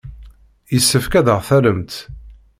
Yessefk ad aɣ-tallemt.